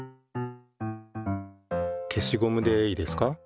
消しゴムでいいですか。